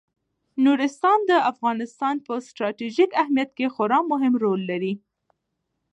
نورستان د افغانستان په ستراتیژیک اهمیت کې خورا مهم رول لري.